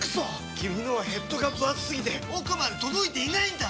君のはヘッドがぶ厚すぎて奥まで届いていないんだっ！